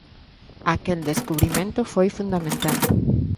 Aquel descubrimento foi fundamental.